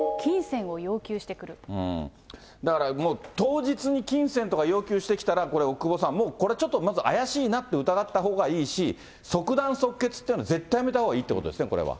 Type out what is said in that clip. だから、もう、当日に金銭とか要求してきたら、これ、奥窪さん、もうこれ、ちょっとまず怪しいなって疑ったほうがいいし、即断即決というのは、絶対やめたほうがいいってことですね、これは。